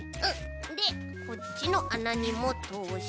でこっちのあなにもとおして。